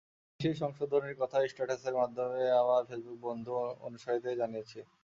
আমি সেই সংশোধনীর কথা স্ট্যাটাসের মাধ্যমে আমার ফেসবুক বন্ধু, অনুসারীদের জানিয়েছি।